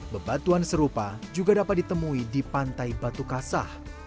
bebatuan serupa juga dapat ditemui di pantai batu kasah